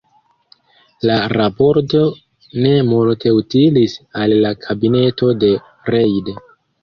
La raporto ne multe utilis al la kabineto de Reid.